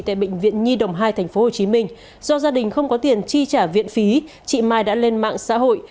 tại bệnh viện nhi đồng hai tp hcm do gia đình không có tiền chi trả viện phí chị mai đã lên mạng xã hội